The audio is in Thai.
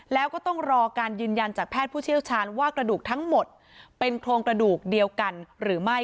แล้วก็ต้องรอการยืนยันจากแพทย์ผู้เชี่ยวชาญว่ากระดูกทั้งหมดเป็นโครงกระดูกเดียวกันหรือไม่